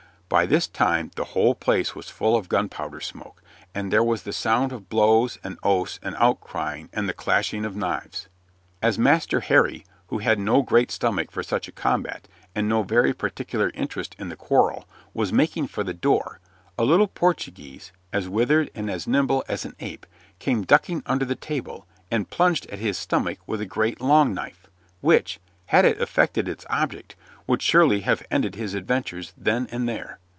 By this time the whole place was full of gunpowder smoke, and there was the sound of blows and oaths and outcrying and the clashing of knives. As Master Harry, who had no great stomach for such a combat, and no very particular interest in the quarrel, was making for the door, a little Portuguese, as withered and as nimble as an ape, came ducking under the table and plunged at his stomach with a great long knife, which, had it effected its object, would surely have ended his adventures then and there.